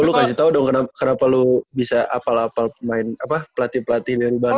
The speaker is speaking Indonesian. lo kasih tau dong kenapa lo bisa apal apal main pelatih pelatih dari bandung